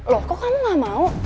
loh kok kamu gak mau